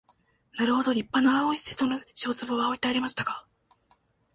なるほど立派な青い瀬戸の塩壺は置いてありましたが、